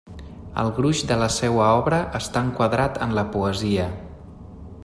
El gruix de la seua obra està enquadrat en la poesia.